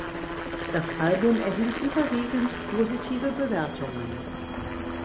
Das Album erhielt überwiegend positive Bewertungen.